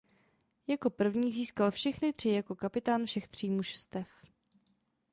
Jako první získal všechny tři jako kapitán všech tří mužstev.